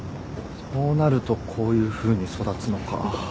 そうなるとこういうふうに育つのか。